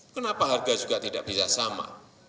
kenapa harga juga tidak bisa sama